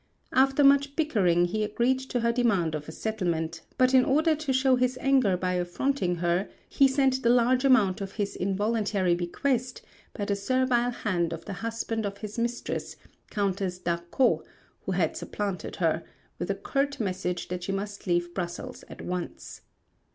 After much bickering he agreed to her demand of a settlement, but in order to show his anger by affronting her he sent the large amount of his involuntary bequest by the servile hand of the husband of his mistress, Countess d'Arcos, who had supplanted her, with a curt message that she must leave Brussels at once.